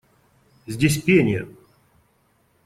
Здесь пение.